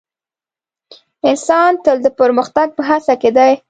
انسان تل د پرمختګ په هڅه کې دی.